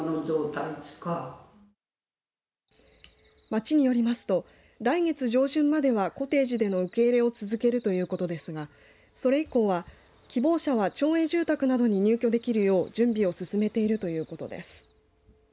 町によりますと来月上旬まではコテージでの受け入れを続けるということですがそれ以降は希望者は町営住宅などに入居できるよう準備を進めているということです。